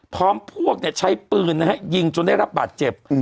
พร้อมพวกใช้ปืนยิงจนได้รับบาดเจ็บ